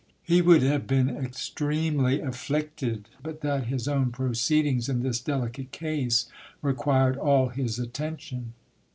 He would have been extremely afflicted, but that his own proceedings in this delicate case required all his attention.